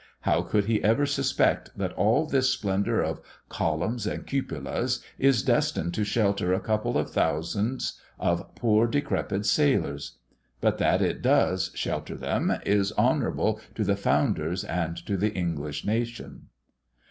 How could he ever suspect that all this splendour of columns and cupolas is destined to shelter a couple of thousand of poor, decrepid sailors! But that it does shelter them is honorable to the founders and to the English nation.